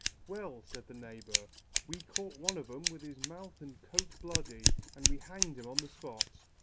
"Well," said the neighbor, "we caught one on 'em, with his mouth and coat bloody, and we hanged him up on the spot.